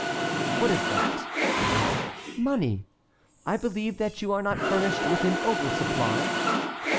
"What is that?" "Money. I believe that you are not furnished with an over supply."